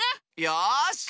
よし。